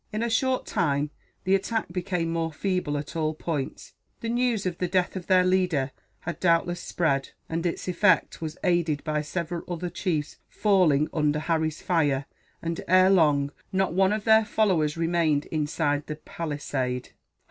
In a short time, the attack became more feeble at all points. The news of the death of their leader had doubtless spread, and its effect was aided by several other chiefs falling under Harry's fire and, ere long, not one of their followers remained inside the palisade.